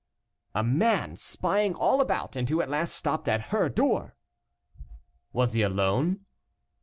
"A man spying all about and who at last stopped at her door." "Was he alone?"